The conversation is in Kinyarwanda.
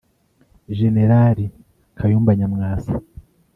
Jenerali Kayumba Nyamwasa